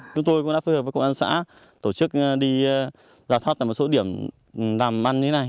chúng tôi cũng đã phối hợp với công an xã tổ chức đi giả soát tại một số điểm làm ăn như thế này